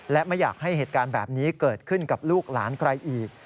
และไม่อยากให้เหตุการณ์แบบนี้เกิดขึ้นกับลูกหลานใครอีก